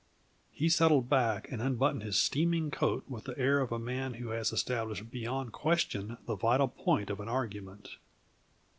He settled back and unbuttoned his steaming coat with the air of a man who has established beyond question the vital point of an argument.